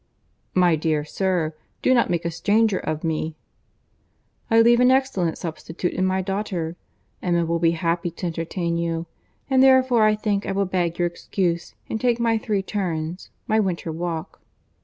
"My dear sir, do not make a stranger of me." "I leave an excellent substitute in my daughter. Emma will be happy to entertain you. And therefore I think I will beg your excuse and take my three turns—my winter walk."